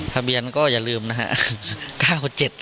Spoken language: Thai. ทะเบียนก็อย่าลืมนะครับ